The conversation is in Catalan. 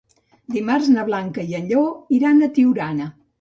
Dimarts na Blanca i en Lleó iran a Tiurana.